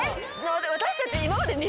私たち。